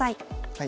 はい。